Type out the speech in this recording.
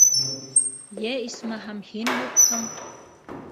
Йә, исмаһам, һин юҡһың.